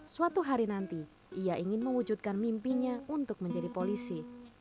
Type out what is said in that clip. suatu hari nanti ia ingin mewujudkan mimpinya untuk menjadi polisi